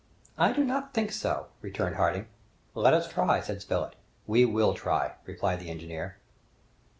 "I do not think so," returned Harding. "Let us try," said Spilett. "We will try," replied the engineer.